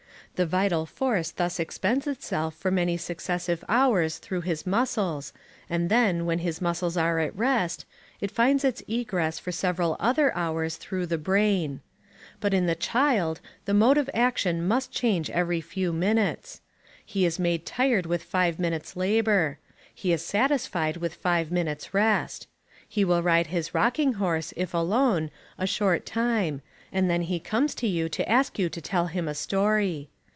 The vital force thus expends itself for many successive hours through his muscles, and then, while his muscles are at rest, it finds its egress for several other hours through the brain. But in the child the mode of action must change every few minutes. He is made tired with five minutes' labor. He is satisfied with five minutes' rest. He will ride his rocking horse, if alone, a short time, and then he comes to you to ask you to tell him a story.